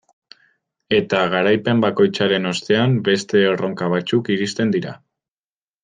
Eta garaipen bakoitzaren ostean beste erronka batzuk iristen dira.